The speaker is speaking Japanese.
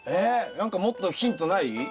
何かもっとヒントない？